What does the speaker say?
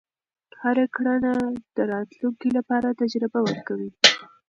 هره کړنه د راتلونکي لپاره تجربه ورکوي.